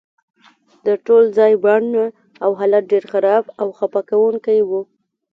د ټول ځای بڼه او حالت ډیر خراب او خفه کونکی و